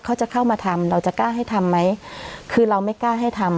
เขาจะเข้ามาทำเราจะกล้าให้ทำไหมคือเราไม่กล้าให้ทำ